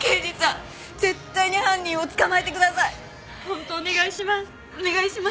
本当お願いします！